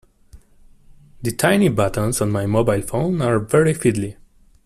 The tiny buttons on my mobile phone are very fiddly